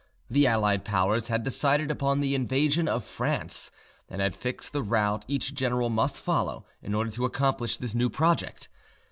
The Allied Powers had decided upon the invasion of France, and had fixed the route each general must follow in order to accomplish this new project.